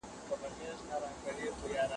د خبرې سرچینه معلومه کړئ.